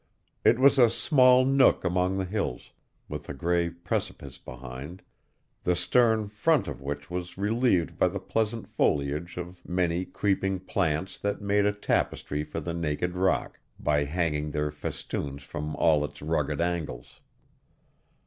It was a small nook among the hills, with a gray precipice behind, the stern front of which was relieved by the pleasant foliage of many creeping plants that made a tapestry for the naked rock, by hanging their festoons from all its rugged angles.